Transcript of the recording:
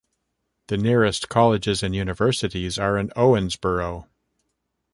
The nearest colleges and universities are in Owensboro.